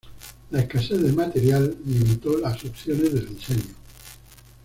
La escasez de material limitó las opciones de diseño.